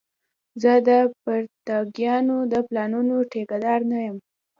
زه د پرنګيانو د پلانونو ټيکه دار نه یم